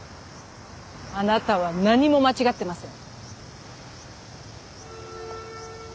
あなたは何も間違ってません。